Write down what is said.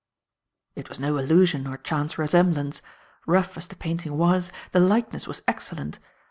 It was no illusion or chance resemblance. Rough as the painting was, the likeness was excellent.